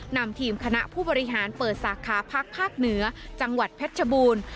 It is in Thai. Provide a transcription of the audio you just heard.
นำทีมคณะผู้บริหารเปิดสาขาพักภาคเหนือจังหวัดเพชรชบูรณ์